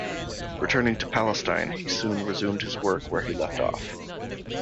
Returning to Palestine, he soon resumed his work where he had left off.